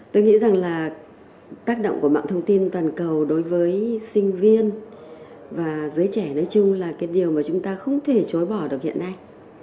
tôi nghĩ rằng là tác động của mạng thông tin toàn cầu đối với sinh viên và giới trẻ nói chung là cái điều mà chúng ta không thể chối bỏ được hiện nay